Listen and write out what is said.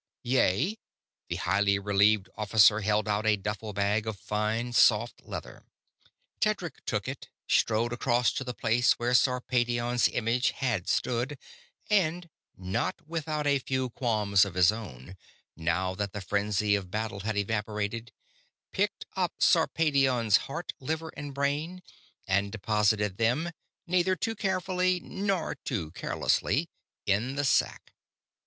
"Yea." The highly relieved officer held out a duffle bag of fine, soft leather. Tedric took it, strode across to the place where Sarpedion's image had stood, and not without a few qualms of his own, now that the frenzy of battle had evaporated picked up Sarpedion's heart, liver, and brain and deposited them, neither too carefully nor too carelessly, in the sack.